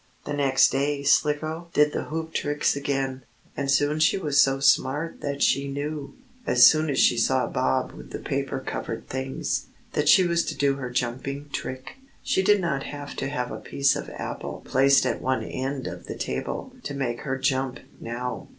The next day Slicko did the hoop tricks again, and soon she was so smart that she knew, as soon as she saw Bob with the paper covered things, that she was to do her jumping trick. She did not have to have a piece of apple placed at one end of the table to make her jump, now.